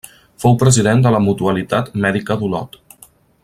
Fou president de la mutualitat Mèdica d'Olot.